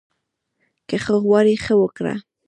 که ښه غواړې، ښه وکړه